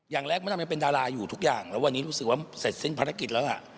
อย่างแรกมดำยังเป็นดาราอยู่ทุกอย่างแล้ววันนี้รู้สึกว่าเสร็จสิ้นภารกิจแล้วล่ะ